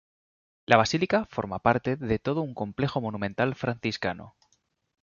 La basílica forma parte de todo un complejo monumental franciscano.